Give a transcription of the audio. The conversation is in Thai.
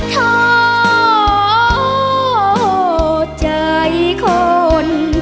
โทษใจคน